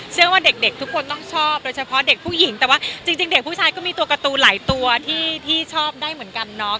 ว่าเด็กทุกคนต้องชอบโดยเฉพาะเด็กผู้หญิงแต่ว่าจริงเด็กผู้ชายก็มีตัวการ์ตูนหลายตัวที่ชอบได้เหมือนกันเนาะ